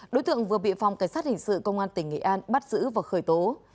đối tượng vừa bị phòng cảnh sát hình sự công an tỉnh nghệ an bắt giữ và khởi tố